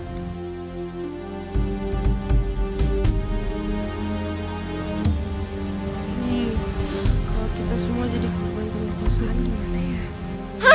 ini kalau kita semua jadi korban pemerkosaan gimana ya